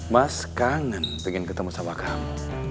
mas kangen pengen ketemu sama kamu